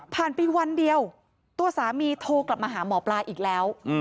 ไปวันเดียวตัวสามีโทรกลับมาหาหมอปลาอีกแล้ว